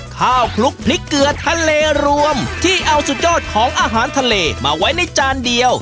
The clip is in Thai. คลุกพริกเกลือทะเลรวมที่เอาสุดยอดของอาหารทะเลมาไว้ในจานเดียว